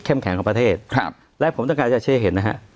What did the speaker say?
แข็งของประเทศครับและผมต้องการจะเช็คเห็นนะฮะ